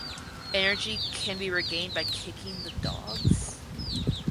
Energy can be regained by kicking the dogs.